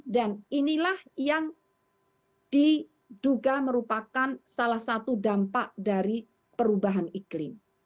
dan inilah yang diduga merupakan salah satu dampak dari perubahan iklim